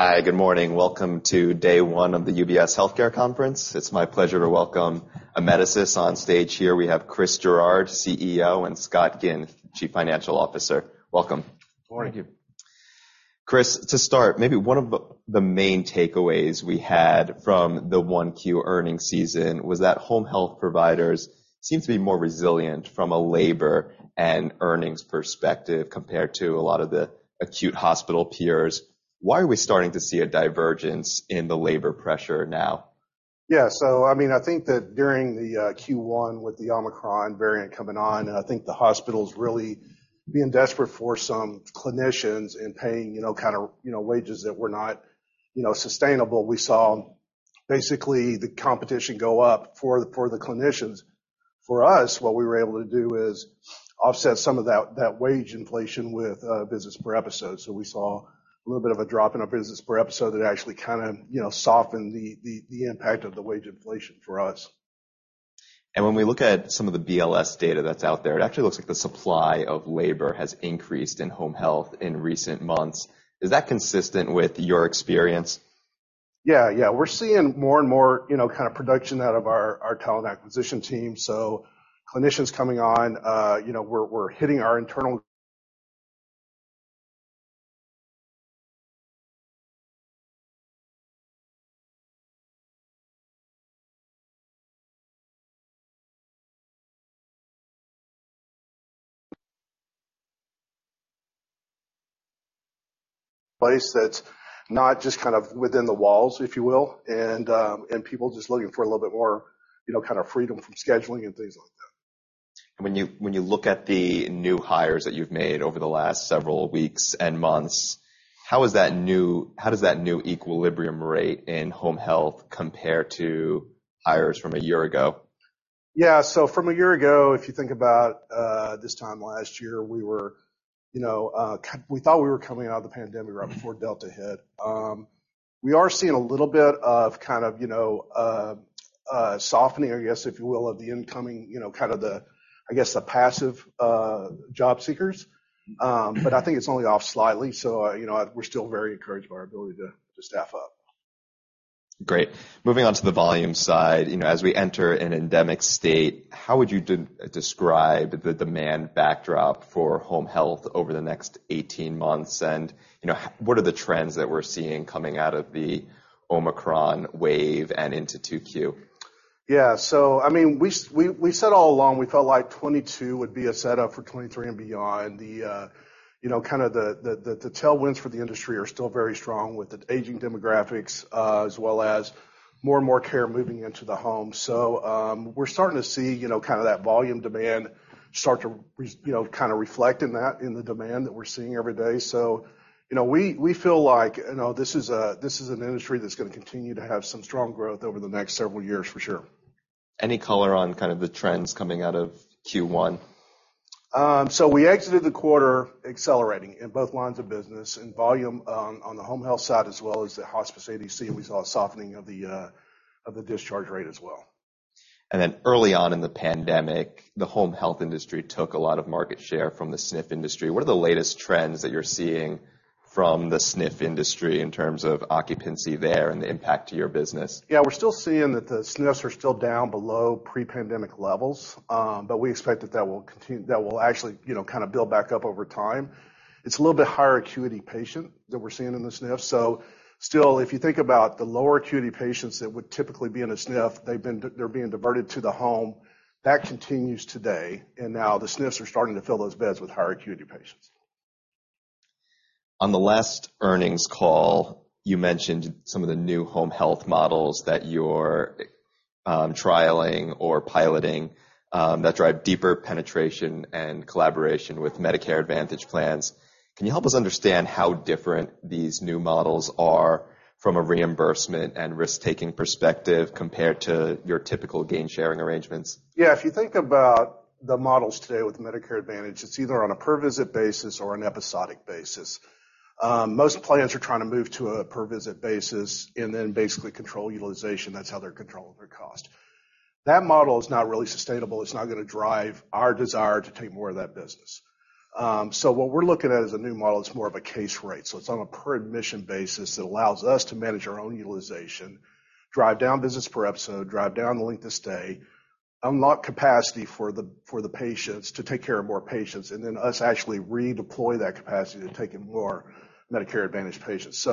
Hi, good morning. Welcome to day one of the UBS Health Care conference. It's my pleasure to welcome Amedisys on stage here. We have Chris Gerard, CEO, and Scott Ginn, Chief Financial Officer. Welcome. Good morning. Thank you. Chris, to start, maybe one of the main takeaways we had from the 1Q earnings season was that home health providers seem to be more resilient from a labor and earnings perspective compared to a lot of the acute hospital peers. Why are we starting to see a divergence in the labor pressure now? Yeah. I mean, I think that during the Q1 with the Omicron variant coming on, and I think the hospitals really being desperate for some clinicians and paying, you know, kinda, you know, wages that were not sustainable, we saw basically the competition go up for the clinicians. For us, what we were able to do is offset some of that wage inflation with business per episode. We saw a little bit of a drop in our business per episode that actually kinda, you know, softened the impact of the wage inflation for us. When we look at some of the BLS data that's out there, it actually looks like the supply of labor has increased in home health in recent months. Is that consistent with your experience? Yeah. Yeah. We're seeing more and more, you know, kinda production out of our talent acquisition team. Clinicians coming on, you know, we're hitting our internal place that's not just kind of within the walls, if you will, and people just looking for a little bit more freedom from scheduling and things like that. When you look at the new hires that you've made over the last several weeks and months, how does that new equilibrium rate in home health compare to hires from a year ago? Yeah. From a year ago, if you think about this time last year, we were, you know, we thought we were coming out of the pandemic right before Delta hit. We are seeing a little bit of kind of softening, I guess, if you will, of the incoming, kind of the, I guess, the passive job seekers. But I think it's only off slightly, so, you know, we're still very encouraged by our ability to staff up. Great. Moving on to the volume side. You know, as we enter an endemic state, how would you describe the demand backdrop for home health over the next 18 months? You know, what are the trends that we're seeing coming out of the Omicron wave and into 2Q? Yeah. I mean, we said all along, we felt like 2022 would be a setup for 2023 and beyond. You know, kinda the tailwinds for the industry are still very strong with the aging demographics, as well as more and more care moving into the home. We're starting to see, you know, kinda that volume demand start to reflect in that, in the demand that we're seeing every day. We feel like, you know, this is an industry that's gonna continue to have some strong growth over the next several years for sure. Any color on kind of the trends coming out of Q1? We exited the quarter accelerating in both lines of business. In volume, on the home health side as well as the hospice ADC, we saw a softening of the discharge rate as well. Early on in the pandemic, the home health industry took a lot of market share from the SNF industry. What are the latest trends that you're seeing from the SNF industry in terms of occupancy there and the impact to your business? Yeah, we're still seeing that the SNFs are still down below pre-pandemic levels, but we expect that will actually, build back up over time. It's a little bit higher acuity patient that we're seeing in the SNF. Still, if you think about the lower acuity patients that would typically be in a SNF, they're being diverted to the home. That continues today, and now the SNFs are starting to fill those beds with higher acuity patients. On the last earnings call, you mentioned some of the new home health models that you're trialing or piloting that drive deeper penetration and collaboration with Medicare Advantage plans. Can you help us understand how different these new models are from a reimbursement and risk-taking perspective compared to your typical gain-sharing arrangements? Yeah. If you think about the models today with Medicare Advantage, it's either on a per visit basis or an episodic basis. Most plans are trying to move to a per visit basis and then basically control utilization. That's how they're controlling their cost. That model is not really sustainable. It's not gonna drive our desire to take more of that business. What we're looking at is a new model that's more of a case rate. It's on a per admission basis that allows us to manage our own utilization, drive down business per episode, drive down the length of stay, unlock capacity for the patients to take care of more patients, and then us actually redeploy that capacity to take in more Medicare Advantage patients.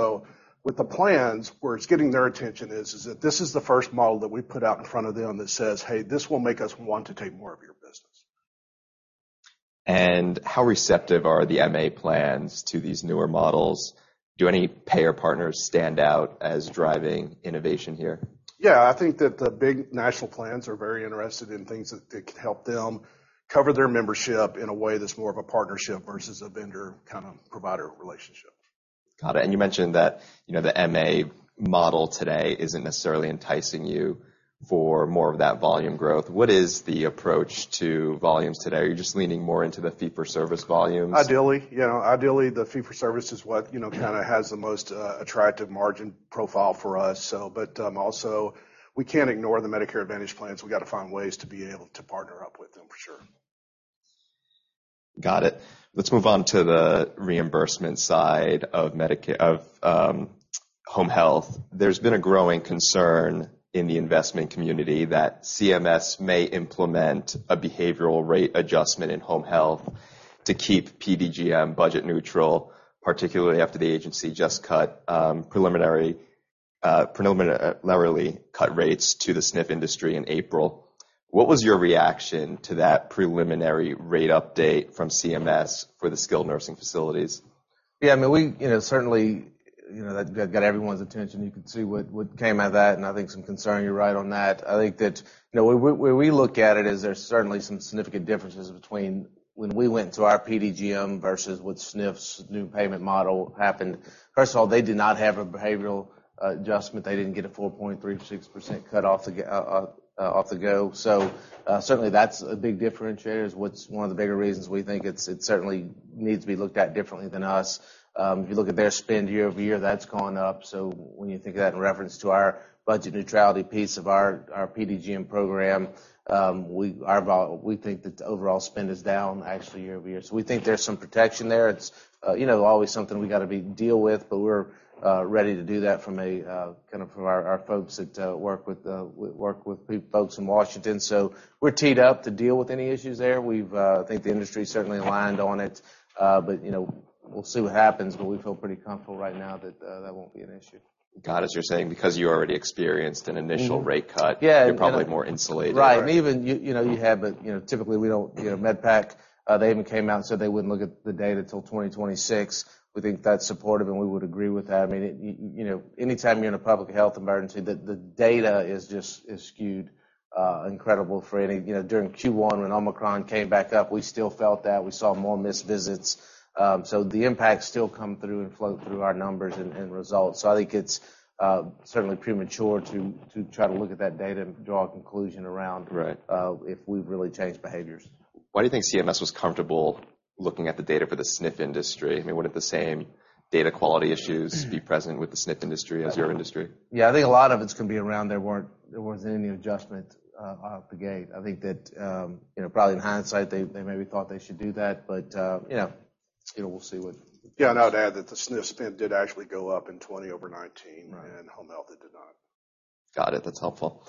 With the plans, where it's getting their attention is that this is the first model that we've put out in front of them that says, "Hey, this will make us want to take more of your business. How receptive are the MA plans to these newer models? Do any payer partners stand out as driving innovation here? Yeah. I think that the big national plans are very interested in things that could help them cover their membership in a way that's more of a partnership versus a vendor kind of provider relationship. Got it. You mentioned that, you know, the MA model today isn't necessarily enticing you for more of that volume growth. What is the approach to volumes today? Are you just leaning more into the fee for service volumes? Ideally. Yeah, ideally, the fee-for-service is what has the most attractive margin profile for us. But also we can't ignore the Medicare Advantage plans. We gotta find ways to be able to partner up with them, for sure. Got it. Let's move on to the reimbursement side of Medicare home health. There's been a growing concern in the investment community that CMS may implement a behavioral rate adjustment in home health to keep PDGM budget neutral, particularly after the agency just preliminarily cut rates to the SNF industry in April. What was your reaction to that preliminary rate update from CMS for the skilled nursing facilities? Yeah, I mean, you know, certainly, you know, that got everyone's attention. You could see what came out of that, and I think some concern, you're right on that. I think that, you know, where we look at it is there's certainly some significant differences between when we went to our PDGM versus with SNF's new payment model happened. First of all, they did not have a behavioral adjustment. They didn't get a 4.36% cut from the get-go. Certainly that's a big differentiator. It's one of the bigger reasons we think it certainly needs to be looked at differently than us. If you look at their spend year over year, that's gone up. When you think of that in reference to our budget neutrality piece of our PDGM program, we think that the overall spend is down actually year over year. We think there's some protection there. It'salways something we gotta deal with, but we're ready to do that from a kind of from our folks that work with folks in Washington. We're teed up to deal with any issues there. I think the industry certainly aligned on it. But, you know, we'll see what happens, but we feel pretty comfortable right now that that won't be an issue. Got it. You're saying because you already experienced an initial rate cut- Yeah. You're probably more insulated. Right. Even you know, typically we don't you know. MedPAC, they even came out and said they wouldn't look at the data till 2026. We think that's supportive, and we would agree with that. Anytime you're in a public health emergency, the data is just skewed incredibly for any. You know, during Q1 when Omicron came back up, we still felt that. We saw more missed visits. The impacts still come through and flow through our numbers and results. I think it's certainly premature to try to look at that data and draw a conclusion around. Right. if we've really changed behaviors. Why do you think CMS was comfortable looking at the data for the SNF industry? I mean, wouldn't the same data quality issues be present with the SNF industry as your industry? Yeah, I think a lot of it's gonna be around there wasn't any adjustment out the gate. I think that you know, probably in hindsight, they maybe thought they should do that. You know, we'll see what. Yeah, I'd add that the SNF spend did actually go up in 2020/2019. Right. Home health, it did not. Got it. That's helpful.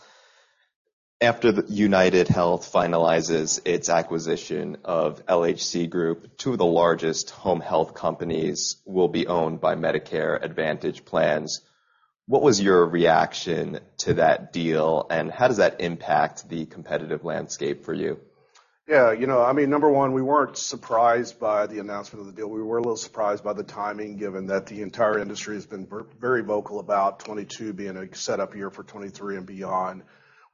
After UnitedHealth Group finalizes its acquisition of LHC Group, two of the largest home health companies will be owned by Medicare Advantage plans. What was your reaction to that deal, and how does that impact the competitive landscape for you? Yeah. number one, we weren't surprised by the announcement of the deal. We were a little surprised by the timing, given that the entire industry has been very vocal about 2022 being a setup year for 2023 and beyond.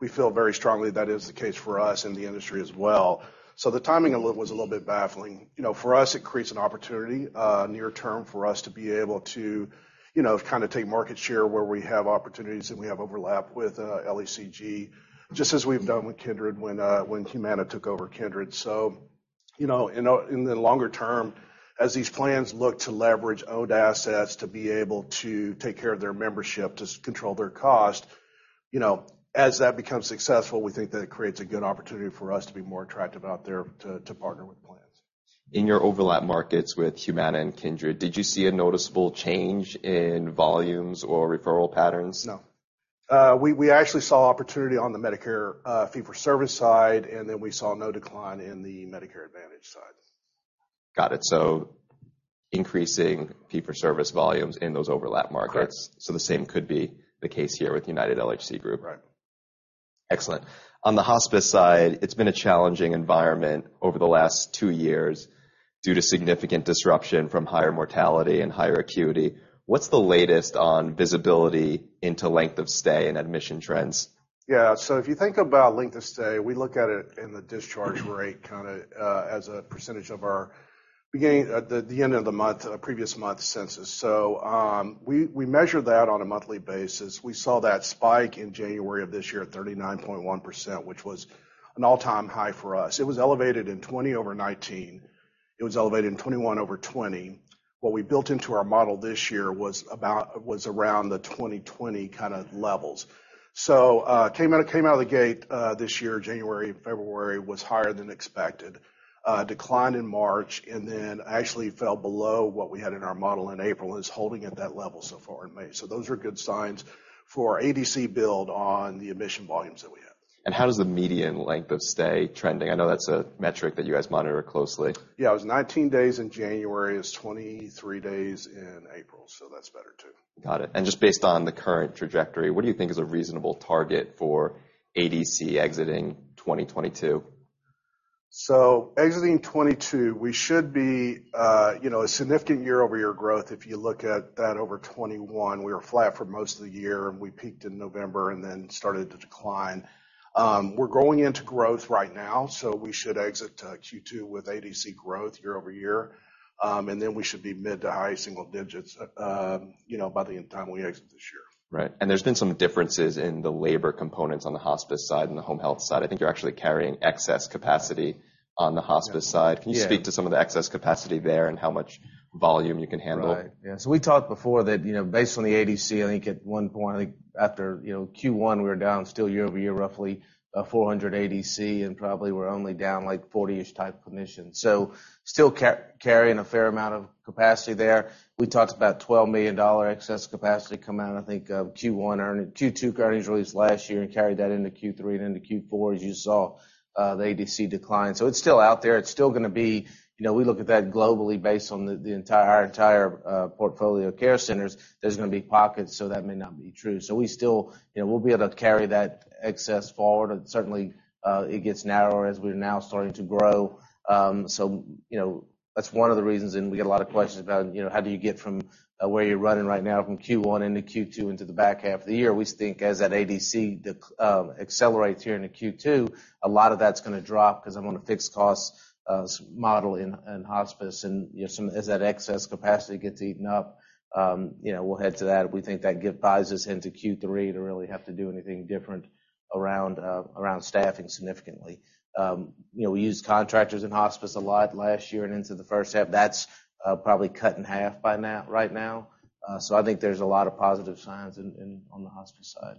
We feel very strongly that is the case for us and the industry as well. The timing, a little, was a little bit baffling. You know, for us, it creates an opportunity near term for us to be able to kind of take market share where we have opportunities and we have overlap with LHC Group, just as we've done with Kindred when Humana took over Kindred. You know, in the longer term, as these plans look to leverage owned assets to be able to take care of their membership to control their cost, you know, as that becomes successful, we think that it creates a good opportunity for us to be more attractive out there to partner with plans. In your overlap markets with Humana and Kindred, did you see a noticeable change in volumes or referral patterns? No. We actually saw opportunity on the Medicare fee-for-service side, and then we saw no decline in the Medicare Advantage side. Got it. Increasing fee-for-service volumes in those overlap markets. Correct. The same could be the case here with UnitedHealth Group/LHC Group. Right. Excellent. On the hospice side, it's been a challenging environment over the last two years due to significant disruption from higher mortality and higher acuity. What's the latest on visibility into length of stay and admission trends? Yeah. If you think about length of stay, we look at it in the discharge rate kinda as a percentage of our beginning at the end of the month, previous month census. We measure that on a monthly basis. We saw that spike in January of this year at 39.1%, which was an all-time high for us. It was elevated in 2020/2019. It was elevated in 2021/2020. What we built into our model this year was around the 2020 kinda levels. Came out of the gate this year, January, February was higher than expected. Declined in March, and then actually fell below what we had in our model in April. It's holding at that level so far in May. Those are good signs for our ADC build on the admission volumes that we have. How is the median length of stay trending? I know that's a metric that you guys monitor closely. Yeah, it was 19 days in January. It was 23 days in April, so that's better too. Got it. Just based on the current trajectory, what do you think is a reasonable target for ADC exiting 2022? Exiting 2022, we should be, you know, a significant year-over-year growth. If you look at that over 2021, we were flat for most of the year, and we peaked in November and then started to decline. We're going into growth right now, so we should exit Q2 with ADC growth year-over-year. We should be mid- to high-single-digit %, you know, by the time we exit this year. Right. There's been some differences in the labor components on the hospice side and the home health side. I think you're actually carrying excess capacity on the hospice side. Yeah. Can you speak to some of the excess capacity there and how much volume you can handle? Right. Yeah. We talked before that, you know, based on the ADC, I think at one point, I think after, you know, Q1, we were down still year-over-year, roughly, 400 ADC, and probably we're only down like 40-ish type admissions. Still carrying a fair amount of capacity there. We talked about $12 million excess capacity come out, I think, Q2 earnings released last year and carried that into Q3 and into Q4. As you saw, the ADC decline. It's still out there. It's still gonna be. You know, we look at that globally based on our entire portfolio of care centers, there's gonna be pockets, so that may not be true. We still, you know, we'll be able to carry that excess forward. Certainly, it gets narrower as we're now starting to grow. You know, that's one of the reasons, and we get a lot of questions about, you know, how do you get from where you're running right now from Q1 into Q2 into the back half of the year. We think as that ADC accelerates here into Q2, a lot of that's gonna drop because I'm on a fixed cost model in hospice as that excess capacity gets eaten up, you know, we'll head to that. We think that buys us into Q3 to really have to do anything different around staffing significantly. We used contractors in hospice a lot last year and into the first half. That's probably cut in half by now, right now. I think there's a lot of positive signs on the hospice side.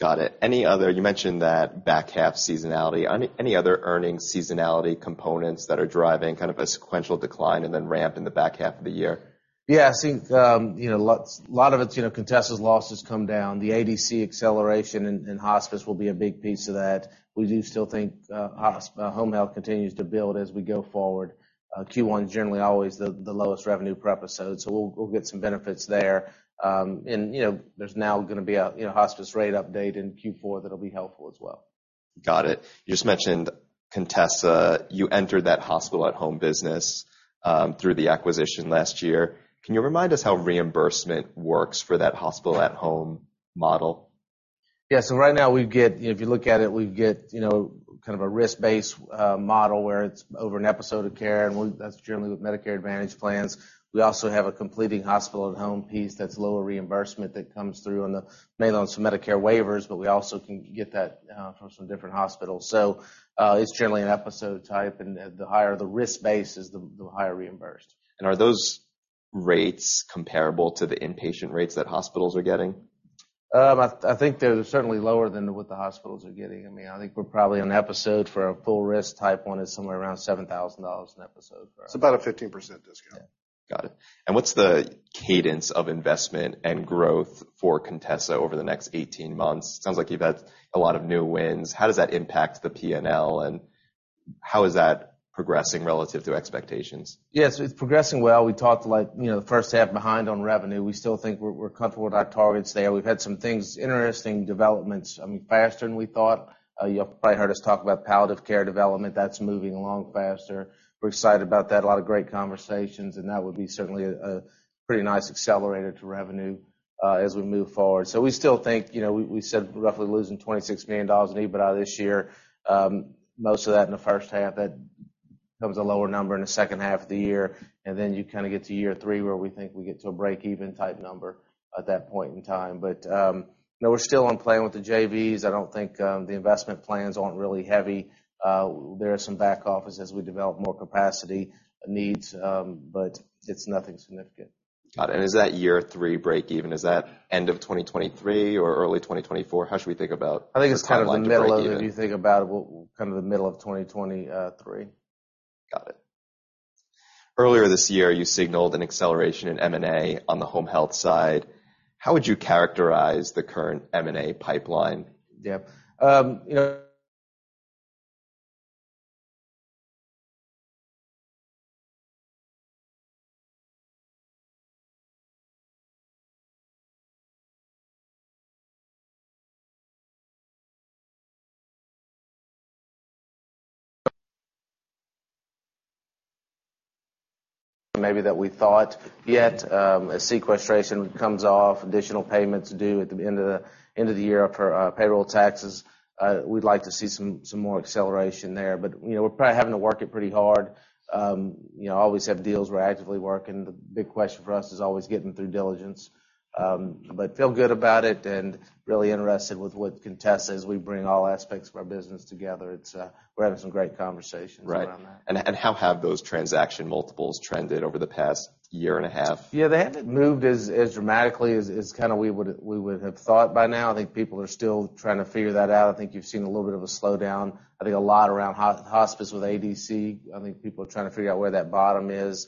Got it. You mentioned that back half seasonality. Any other earnings seasonality components that are driving kind of a sequential decline and then ramp in the back half of the year? Yeah. I think, you know, a lot of it's, you know, Contessa's losses come down. The ADC acceleration in hospice will be a big piece of that. We do still think, home health continues to build as we go forward. Q1 is generally always the lowest revenue per episode, so we'll get some benefits there. You know, there's now gonna be a, you know, hospice rate update in Q4 that'll be helpful as well. Got it. You just mentioned Contessa. You entered that hospital at home business through the acquisition last year. Can you remind us how reimbursement works for that hospital at home model? Yeah. Right now we get, you know, if you look at it, kind of a risk-based model where it's over an episode of care, and that's generally with Medicare Advantage plans. We also have a complementary hospital at home piece that's lower reimbursement that comes through on the MA and on some Medicare waivers, but we also can get that from some different hospitals. It's generally an episode type, and the higher the risk base is, the higher the reimbursement. Are those rates comparable to the inpatient rates that hospitals are getting? I think they're certainly lower than what the hospitals are getting. I mean, I think we're probably on episode for a full risk type one is somewhere around $7,000 an episode. It's about a 15% discount. Yeah. Got it. What's the cadence of investment and growth for Contessa over the next 18 months? Sounds like you've had a lot of new wins. How does that impact the P&L, and how is that progressing relative to expectations? Yes. It's progressing well. We talked like, you know, the first half behind on revenue. We still think we're comfortable with our targets there. We've had some things, interesting developments, I mean, faster than we thought. You probably heard us talk about palliative care development. That's moving along faster. We're excited about that. A lot of great conversations, and that would be certainly a pretty nice accelerator to revenue as we move forward. We still think, you know, we said roughly losing $26 million in EBITDA this year. Most of that in the first half. That becomes a lower number in the second half of the year. Then you kinda get to year three, where we think we get to a break-even type number at that point in time. No, we're still on plan with the JVs. I don't think the investment plans aren't really heavy. There are some back office as we develop more capacity needs, but it's nothing significant. Got it. Is that year three breakeven, is that end of 2023 or early 2024? How should we think about? I think it's kind of the middle of it. The logical breakeven? If you think about it, kind of the middle of 2023. Got it. Earlier this year, you signaled an acceleration in M&A on the home health side. How would you characterize the current M&A pipeline? Yeah. You know, maybe that we thought yet as sequestration comes off, additional payments due at the end of the year for payroll taxes, we'd like to see some more acceleration there. You know, we're probably having to work it pretty hard. You know, always have deals we're actively working. The big question for us is always getting through diligence. Feel good about it and really interested with what Contessa, as we bring all aspects of our business together. It's, we're having some great conversations around that. Right. How have those transaction multiples trended over the past year and a half? Yeah. They haven't moved as dramatically as kinda we would have thought by now. I think people are still trying to figure that out. I think you've seen a little bit of a slowdown. I think a lot around hospice with ADC. I think people are trying to figure out where that bottom is.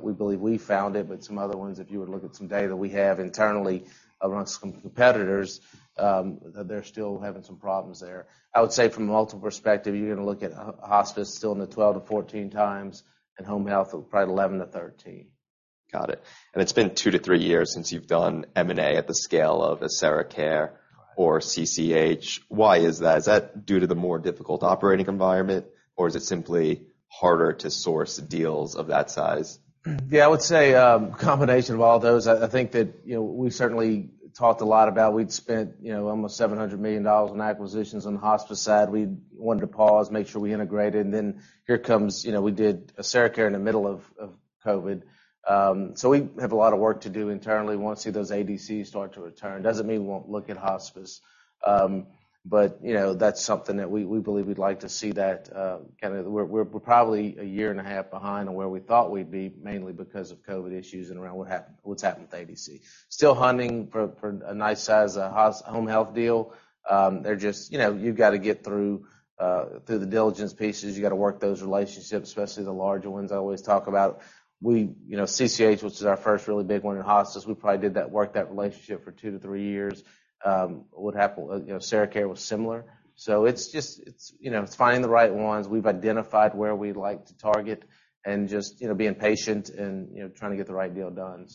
We believe we found it, but some other ones, if you were to look at some data we have internally amongst some competitors, they're still having some problems there. I would say from a multiple perspective, you're gonna look at hospice still in the 12x-14x and home health probably 11x-13x. Got it. It's been 2-3 years since you've done M&A at the scale of AseraCare or CCH. Why is that? Is that due to the more difficult operating environment, or is it simply harder to source deals of that size? Yeah. I would say combination of all those. I think that, you know, we certainly talked a lot about we'd spent, you know, almost $700 million in acquisitions on the hospice side. We wanted to pause, make sure we integrated, and then here comes, you know, we did AseraCare in the middle of COVID. We have a lot of work to do internally. We wanna see those ADCs start to return. Doesn't mean we won't look at hospice. You know, that's something that we believe we'd like to see that. We're probably a year and a half behind on where we thought we'd be, mainly because of COVID issues and around what's happened with ADC. Still hunting for a nice size home health deal. They're just, you know, you've gotta get through the diligence pieces, you gotta work those relationships, especially the larger ones I always talk about. We, you know, CCH, which is our first really big one in hospice, we probably did that, worked that relationship for 2-3 years. What happened, you know, AseraCare was similar. It's just it's finding the right ones. We've identified where we'd like to target and just, you know, being patient and, you know, trying to get the right deal done.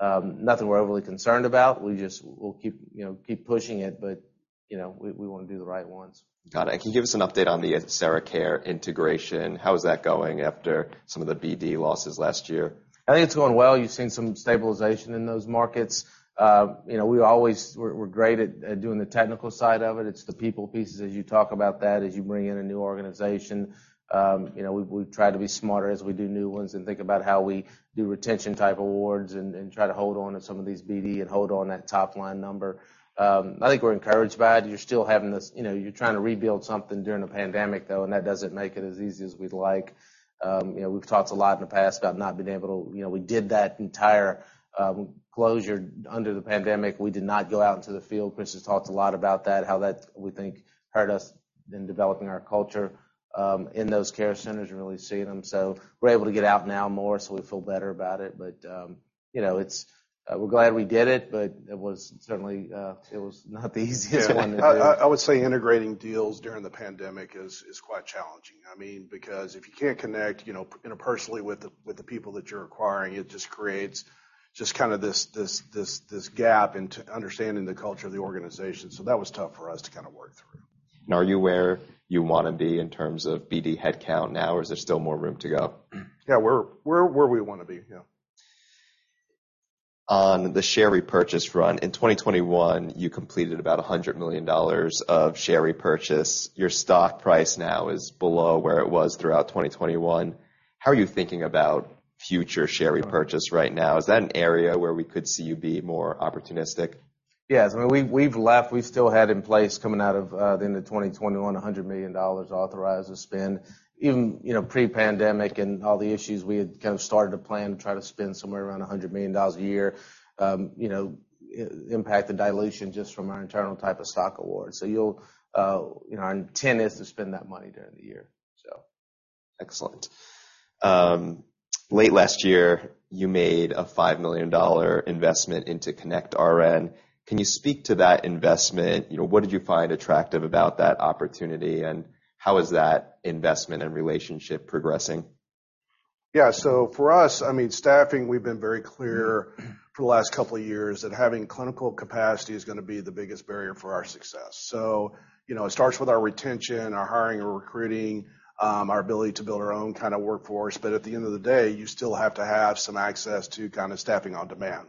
Nothing we're overly concerned about. We just, we'll keep, you know, pushing it, but, you know, we wanna do the right ones. Got it. Can you give us an update on the AseraCare integration? How is that going after some of the BD losses last year? I think it's going well. You've seen some stabilization in those markets. You know, we're great at doing the technical side of it. It's the people pieces as you talk about that, as you bring in a new organization. You know, we try to be smarter as we do new ones and think about how we do retention type awards and try to hold on to some of these BD and hold on that top line number. I think we're encouraged by it. You're still having this, you know, you're trying to rebuild something during the pandemic, though, and that doesn't make it as easy as we'd like. You know, we've talked a lot in the past about not being able to, you know, we did that entire closure under the pandemic. We did not go out into the field. Chris has talked a lot about that, how that, we think, hurt us in developing our culture, in those care centers and really seeing them. We're able to get out now more, so we feel better about it. You know, we're glad we did it, but it was certainly not the easiest one to do. Yeah. I would say integrating deals during the pandemic is quite challenging. I mean, because if you can't connect, you know, interpersonally with the people that you're acquiring, it just creates kinda this gap in understanding the culture of the organization. That was tough for us to kinda work through. Are you where you wanna be in terms of BD headcount now, or is there still more room to go? Yeah. We're where we wanna be. Yeah. On the share repurchase front, in 2021, you completed about $100 million of share repurchase. Your stock price now is below where it was throughout 2021. How are you thinking about future share repurchase right now? Is that an area where we could see you be more opportunistic? Yes. I mean, we still had in place coming out of the end of 2021 $100 million authorized to spend. Even, you know, pre-pandemic and all the issues, we had kind of started a plan to try to spend somewhere around $100 million a year. You know, impact the dilution just from our internal type of stock awards. You'll, you know, our intent is to spend that money during the year. Excellent. Late last year, you made a $5 million investment into connectRN. Can you speak to that investment? You know, what did you find attractive about that opportunity, and how is that investment and relationship progressing? Yeah. For us, I mean, staffing, we've been very clear for the last couple of years that having clinical capacity is gonna be the biggest barrier for our success. You know, it starts with our retention, our hiring and recruiting, our ability to build our own kinda workforce. But at the end of the day, you still have to have some access to kinda staffing on demand.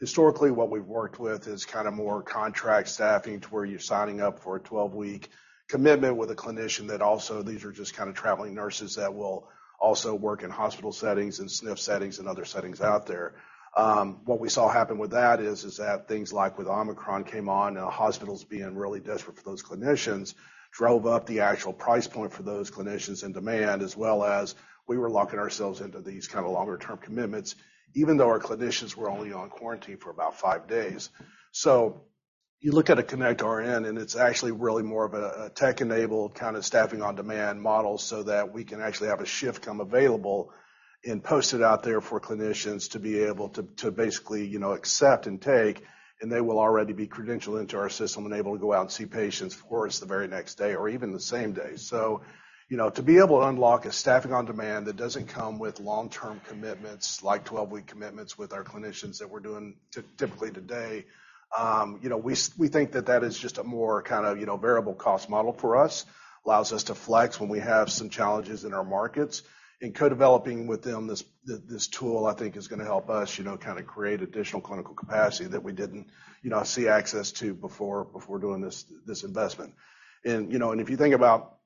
Historically, what we've worked with is kinda more contract staffing to where you're signing up for a 12-week commitment with a clinician that also, these are just kinda traveling nurses that will also work in hospital settings and SNF settings and other settings out there. What we saw happen with that is that things like with Omicron came on, and hospitals being really desperate for those clinicians drove up the actual price point for those clinicians in demand, as well as we were locking ourselves into these kinda longer term commitments, even though our clinicians were only on quarantine for about five days. You look at a connectRN, and it's actually really more of a tech-enabled kinda staffing on demand model so that we can actually have a shift come available and post it out there for clinicians to be able to basically, you know, accept and take, and they will already be credentialed into our system and able to go out and see patients, of course, the very next day or even the same day. You know, to be able to unlock a staffing on demand that doesn't come with long-term commitments, like 12-week commitments with our clinicians that we're doing typically today, you know, we think that that is just a more kinda, you know, variable cost model for us, allows us to flex when we have some challenges in our markets. Co-developing with them this tool, I think, is gonna help us, you know, kinda create additional clinical capacity that we didn't, you know, see access to before doing this investment. You know, if you think about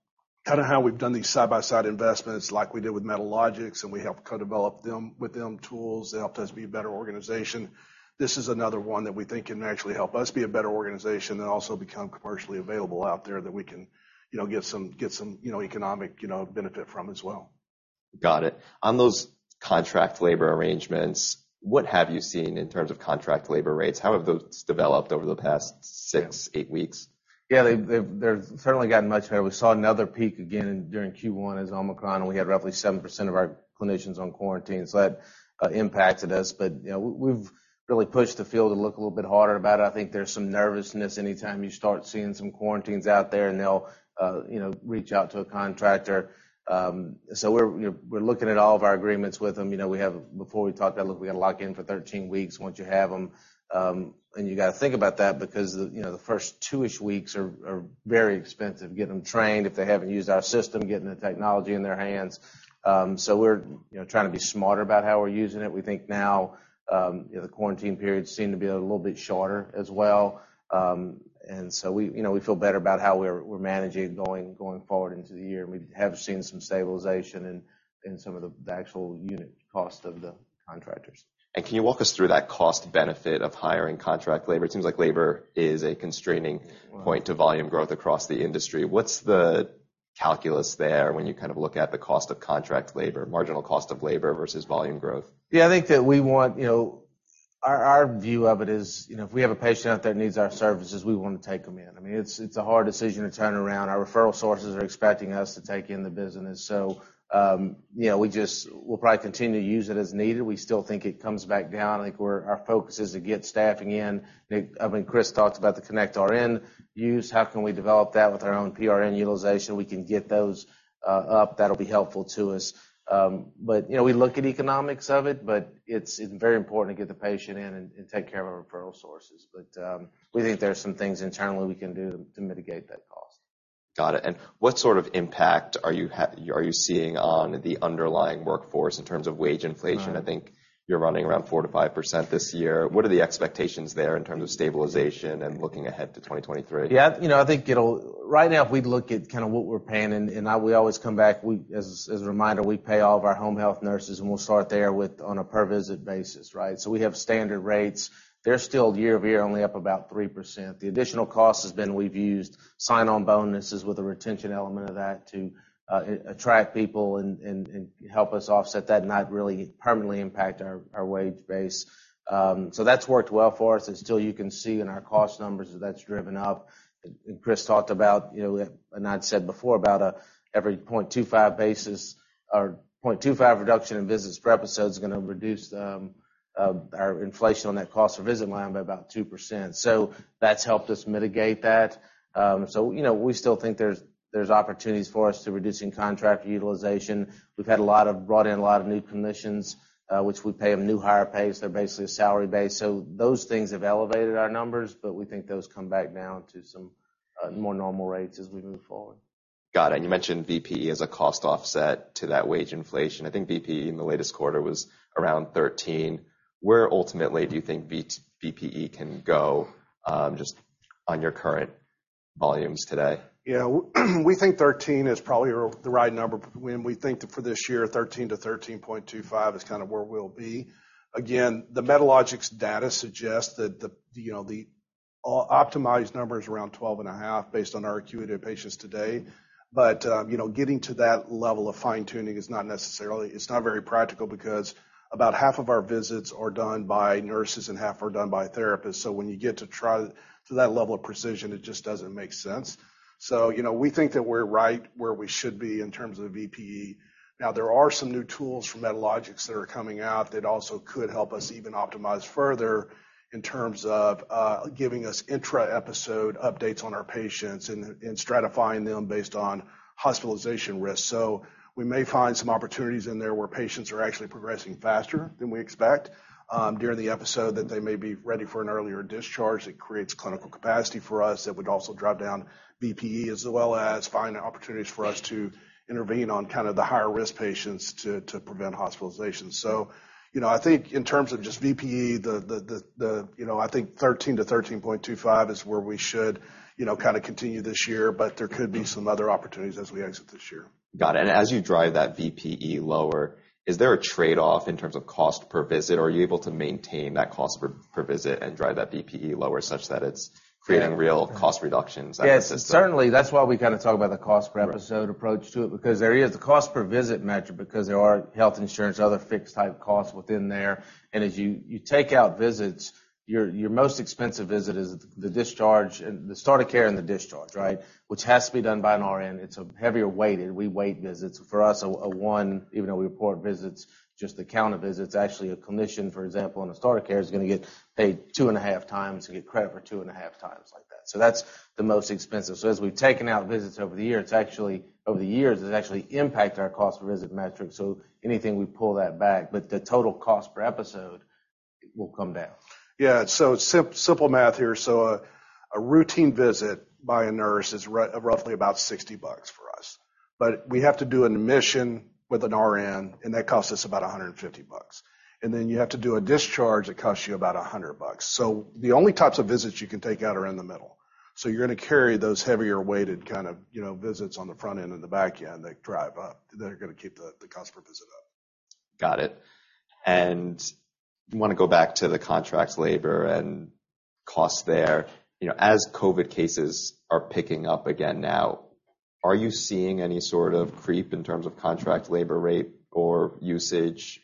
kinda how we've done these side-by-side investments, like we did with Medalogix, and we helped co-develop them, with them tools. They helped us be a better organization. This is another one that we think can actually help us be a better organization and also become commercially available out there that we can, you know, get some, you know, economic, you know, benefit from as well. Got it. On those contract labor arrangements, what have you seen in terms of contract labor rates? How have those developed over the past 6-8 weeks? Yeah. They've certainly gotten much better. We saw another peak again during Q1 as Omicron, and we had roughly 7% of our clinicians on quarantine. That impacted us. You know, we've really pushed the field to look a little bit harder about it. I think there's some nervousness anytime you start seeing some quarantines out there, and they'll, you know, reach out to a contractor. You know, we're looking at all of our agreements with them. You know, before we talked about, look, we gotta lock in for 13 weeks once you have them. You gotta think about that because the, you know, the first 2-ish weeks are very expensive to get them trained if they haven't used our system, getting the technology in their hands. We're, you know, trying to be smarter about how we're using it. We think now, you know, the quarantine periods seem to be a little bit shorter as well. We, you know, we feel better about how we're managing going forward into the year. We have seen some stabilization in some of the actual unit cost of the contractors. Can you walk us through that cost benefit of hiring contract labor? It seems like labor is a constraining point to volume growth across the industry. What's the calculus there when you kind of look at the cost of contract labor, marginal cost of labor versus volume growth? Yeah, I think that we want, you know, our view of it is, you know, if we have a patient out there that needs our services, we wanna take them in. I mean, it's a hard decision to turn around. Our referral sources are expecting us to take in the business. You know, we'll probably continue to use it as needed. We still think it comes back down. I think our focus is to get staffing in. I mean, Chris talked about the connectRN use, how can we develop that with our own PRN utilization. We can get those up. That'll be helpful to us. You know, we look at economics of it, but it's very important to get the patient in and take care of our referral sources. we think there's some things internally we can do to mitigate that cost. Got it. What sort of impact are you seeing on the underlying workforce in terms of wage inflation? Right. I think you're running around 4%-5% this year. What are the expectations there in terms of stabilization and looking ahead to 2023? Yeah, you know, I think it'll right now if we look at kinda what we're paying, and we always come back as a reminder, we pay all of our home health nurses, and we'll start there with on a per visit basis, right? We have standard rates. They're still year-over-year only up about 3%. The additional cost has been we've used sign-on bonuses with a retention element of that to attract people and help us offset that and not really permanently impact our wage base. That's worked well for us. Still you can see in our cost numbers that that's driven up. Chris talked about, you know, and I'd said before about every 0.25 basis or 0.25 reduction in visits per episode is gonna reduce our inflation on that cost for visit line by about 2%. That's helped us mitigate that. You know, we still think there's opportunities for us to reducing contract utilization. We've brought in a lot of new clinicians, which we pay them new-hire rates. They're basically salary based. Those things have elevated our numbers, but we think those come back down to some more normal rates as we move forward. Got it. You mentioned VPE as a cost offset to that wage inflation. I think VPE in the latest quarter was around 13. Where ultimately do you think VPE can go, just on your current volumes today? Yeah. We think 13 is probably the right number when we think for this year, 13 to 13.25 is kinda where we'll be. Again, the Medalogix data suggests that the, you know, the optimized number is around 12.5 based on our acuity of patients today. You know, getting to that level of fine-tuning is not necessarily, it's not very practical because about half of our visits are done by nurses and half are done by therapists. You know, we think that we're right where we should be in terms of VPE. Now, there are some new tools from Medalogix that are coming out that also could help us even optimize further in terms of, giving us intra-episode updates on our patients and stratifying them based on hospitalization risk. We may find some opportunities in there where patients are actually progressing faster than we expect, during the episode, that they may be ready for an earlier discharge. It creates clinical capacity for us. That would also drive down VPE, as well as find opportunities for us to intervene on kinda the higher risk patients to prevent hospitalizations. You know, I think in terms of just VPE, you know, I think 13 to 13.25 is where we should kinda continue this year, but there could be some other opportunities as we exit this year. Got it. As you drive that VPE lower, is there a trade-off in terms of cost per visit, or are you able to maintain that cost per visit and drive that VPE lower such that it's creating real cost reductions at the system? Yes. Certainly, that's why we kinda talk about the cost per episode approach to it because there is the cost per visit metric because there are health insurance, other fixed type costs within there. As you take out visits, your most expensive visit is the discharge, the start of care and the discharge, right? Which has to be done by an RN. It's a heavier weighted. We weight visits. For us, a 1, even though we report visits just to count the visits, actually a clinician, for example, in the start of care is gonna get paid 2.5 times or get credit for 2.5 times like that. That's the most expensive. As we've taken out visits over the years, it's actually impacted our cost per visit metric. Anything we pull that back. The total cost per episode will come down. Yeah. Simple math here. A routine visit by a nurse is roughly about $60 for us. We have to do an admission with an RN, and that costs us about $150. You have to do a discharge that costs you about $100. The only types of visits you can take out are in the middle. You're gonna carry those heavier weighted kind of, you know, visits on the front end and the back end that drive up, that are gonna keep the cost per visit up. Got it. I wanna go back to the contract labor and costs there. You know, as COVID cases are picking up again now, are you seeing any sort of creep in terms of contract labor rate or usage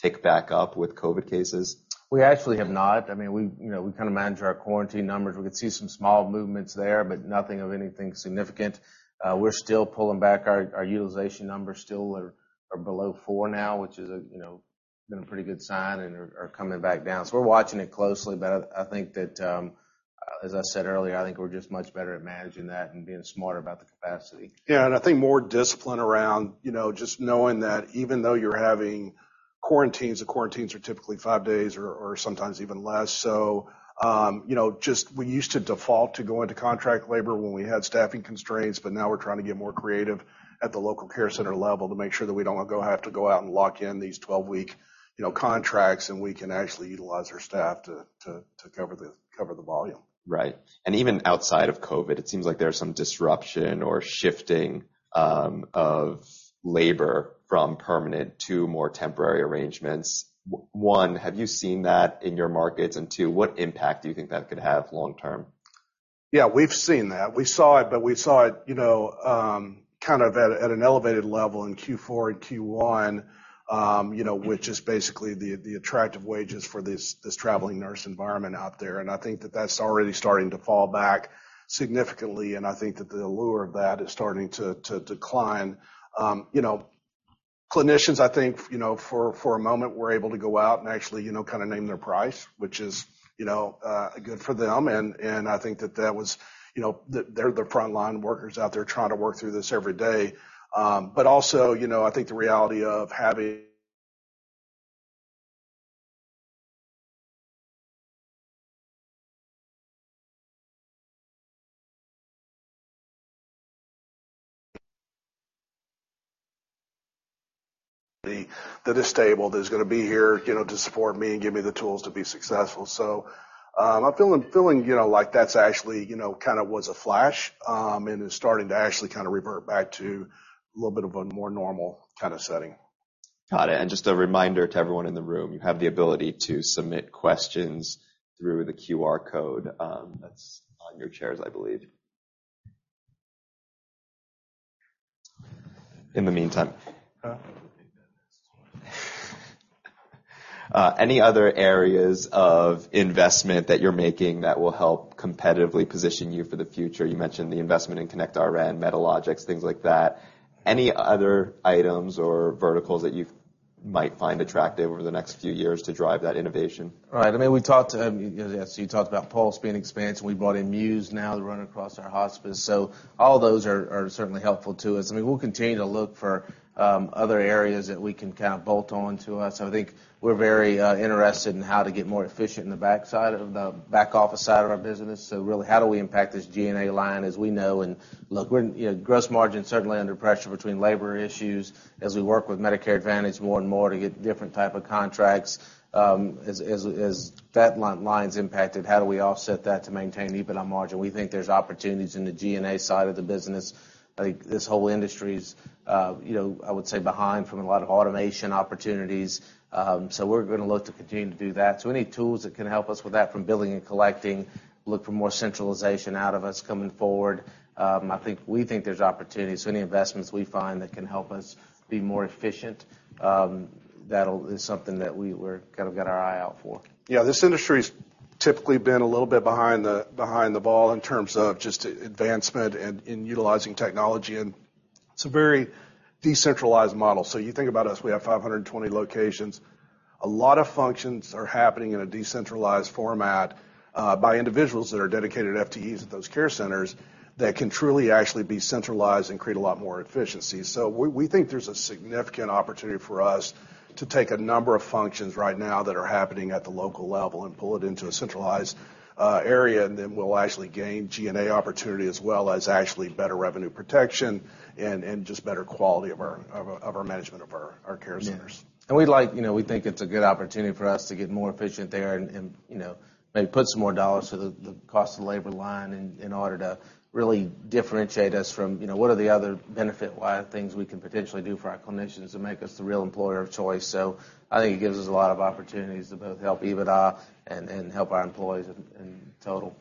tick back up with COVID cases? We actually have not. I mean, we, you know, we kinda manage our quarantine numbers. We could see some small movements there, but nothing of anything significant. We're still pulling back our utilization numbers still are below 4 now, which is, you know, been a pretty good sign and are coming back down. We're watching it closely, but I think that, as I said earlier, I think we're just much better at managing that and being smarter about the capacity. I think more discipline around, you know, just knowing that even though you're having quarantines, the quarantines are typically 5 days or sometimes even less. You know, just we used to default to go into contract labor when we had staffing constraints, but now we're trying to get more creative at the local care center level to make sure that we don't have to go out and lock in these 12-week contracts, and we can actually utilize our staff to cover the volume. Right. Even outside of COVID, it seems like there's some disruption or shifting of labor from permanent to more temporary arrangements. One, have you seen that in your markets? Two, what impact do you think that could have long-term? Yeah, we've seen that. We saw it, you know, kind of at an elevated level in Q4 and Q1, you know, which is basically the attractive wages for this traveling nurse environment out there. I think that that's already starting to fall back significantly, and I think that the allure of that is starting to decline. You know, clinicians, I think, you know, for a moment, were able to go out and actually, you know, kinda name their price, which is, you know, good for them and I think that that was, you know, they're the front line workers out there trying to work through this every day. Also, you know, I think the reality of having that is stable, that is gonna be here, you know, to support me and give me the tools to be successful. I'm feeling, you know, like that's actually, you know, kinda was a flash, and is starting to actually kinda revert back to a little bit of a more normal kinda setting. Got it. Just a reminder to everyone in the room, you have the ability to submit questions through the QR code, that's on your chairs, I believe. In the meantime. Huh? Any other areas of investment that you're making that will help competitively position you for the future? You mentioned the investment in connectRN, Medalogix, things like that. Any other items or verticals that you might find attractive over the next few years to drive that innovation? Right. I mean, we talked, you know, as you talked about Pulse being expanded, and we brought in Muse now to run across our hospice. All those are certainly helpful to us. I mean, we'll continue to look for other areas that we can kind of bolt on to us. I think we're very interested in how to get more efficient in the backside of the back office side of our business. Really, how do we impact this G&A line as we know? Look, we're, you know, gross margin's certainly under pressure between labor issues. As we work with Medicare Advantage more and more to get different type of contracts, as that line is impacted, how do we offset that to maintain EBITDA margin? We think there's opportunities in the G&A side of the business. I think this whole industry's, you know, I would say, behind from a lot of automation opportunities. We're gonna look to continue to do that. Any tools that can help us with that from billing and collecting, look for more centralization out of us coming forward, we think there's opportunities. Any investments we find that can help us be more efficient, that'll is something that we're kinda got our eye out for. Yeah. This industry's typically been a little bit behind the ball in terms of just advancement and utilizing technology, and it's a very decentralized model. You think about us, we have 520 locations. A lot of functions are happening in a decentralized format by individuals that are dedicated FTEs at those care centers that can truly actually be centralized and create a lot more efficiency. We think there's a significant opportunity for us to take a number of functions right now that are happening at the local level and pull it into a centralized area, and then we'll actually gain G&A opportunity as well as actually better revenue protection and just better quality of our management of our care centers. Yeah. We'd like, you know, we think it's a good opportunity for us to get more efficient there and, you know, maybe put some more dollars to the cost of labor line in order to really differentiate us from, you know, what are the other benefit-wide things we can potentially do for our clinicians to make us the real employer of choice. I think it gives us a lot of opportunities to both help EBITDA and help our employees in total.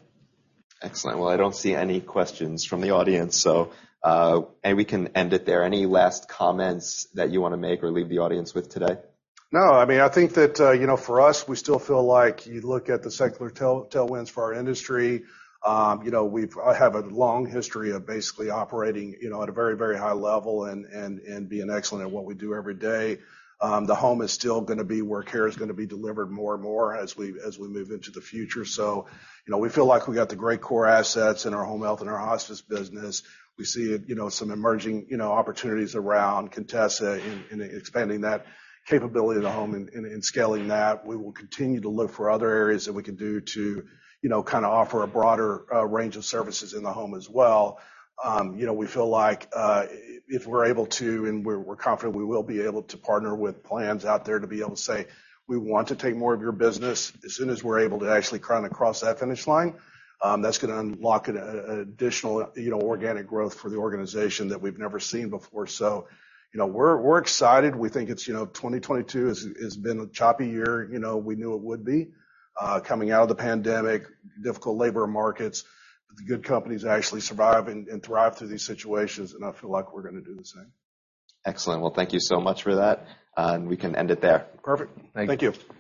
Excellent. Well, I don't see any questions from the audience, so and we can end it there. Any last comments that you wanna make or leave the audience with today? No. I mean, I think that, you know, for us, we still feel like you look at the secular tailwinds for our industry. You know, we have a long history of basically operating, you know, at a very high level and being excellent at what we do every day. The home is still gonna be where care is gonna be delivered more and more as we move into the future. You know, we feel like we got the great core assets in our home health and our hospice business. We see, you know, some emerging opportunities around Contessa in expanding that capability of the home and scaling that. We will continue to look for other areas that we can do to, you know, kinda offer a broader range of services in the home as well. You know, we feel like, if we're able to, and we're confident we will be able to partner with plans out there to be able to say, "We want to take more of your business," as soon as we're able to actually kinda cross that finish line, that's gonna unlock an additional, you know, organic growth for the organization that we've never seen before. You know, we're excited. We think it's, you know, 2022 has been a choppy year. You know, we knew it would be. Coming out of the pandemic, difficult labor markets. The good companies actually survive and thrive through these situations, and I feel like we're gonna do the same. Excellent. Well, thank you so much for that, and we can end it there. Perfect. Thank you. Thank you.